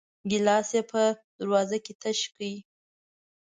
ګيلاس يې په دروازه کې تش کړ.